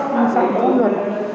không sẵn pháp luật